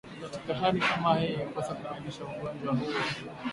katika hali kama hii hukosa kubainishwa Ugonjwa huo